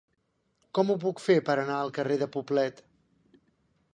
Com ho puc fer per anar al carrer de Poblet?